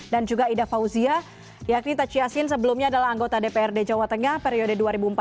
dan juga ida fauzia yakni tachiasin sebelumnya adalah anggota dprd jawa tengah periode dua ribu empat belas